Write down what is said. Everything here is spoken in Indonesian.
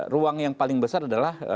ruang yang paling besar adalah